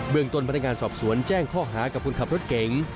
เมืองต้นพนักงานสอบสวนแจ้งข้อหากับคนขับรถเก๋ง